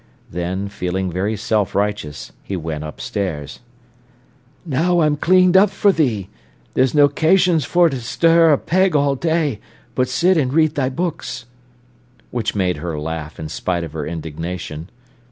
Then, feeling very self righteous, he went upstairs. "Now I'm cleaned up for thee: tha's no 'casions ter stir a peg all day, but sit and read thy books." Which made her laugh, in spite of her indignation.